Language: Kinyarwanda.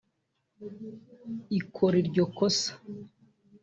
ikora iryo kosa